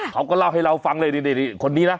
เขาก็เล่าให้เราฟังเลยนี่คนนี้นะ